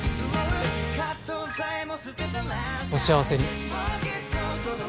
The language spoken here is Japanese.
お幸せに。